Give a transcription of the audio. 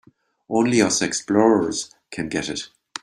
Only us explorers can get it.